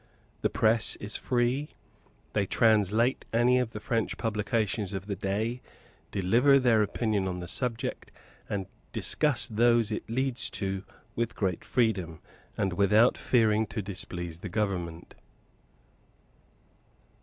The press is free. They translate any of the French publications of the day, deliver their opinion on the subject, and discuss those it leads to with great freedom, and without fearing to displease the Government.